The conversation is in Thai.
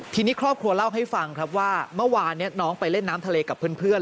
ทีนี้ครอบครัวเล่าให้ฟังครับว่าเมื่อวานนี้น้องไปเล่นน้ำทะเลกับเพื่อน